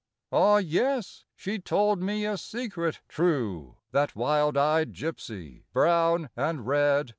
Ah, yes, she told me a secret true, That wild eyed gypsy, brown and red